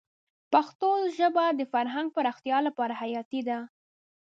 پښتو ژبه د فرهنګ پراختیا لپاره حیاتي ده.